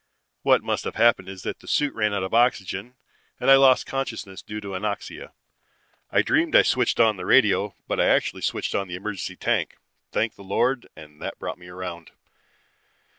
What must have happened is that the suit ran out of oxygen, and I lost consciousness due to anoxia. I dreamed I switched on the radio, but I actually switched on the emergency tank, thank the Lord, and that brought me round.